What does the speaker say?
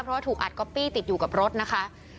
เพราะว่าถูกอัดก๊อปปี้ติดอยู่กับรถนะคะ